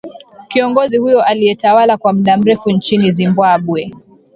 kiongozi huyo aliyetawala kwa muda mrefu nchini zimbabwe